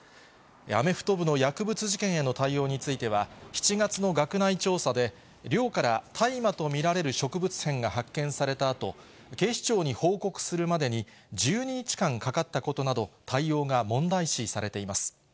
アメフト部の薬物事件への対応については、７月の学内調査で、寮から大麻と見られる植物片が発見されたあと、警視庁に報告するまでに１２日間かかったことなど、対応が問題視されています。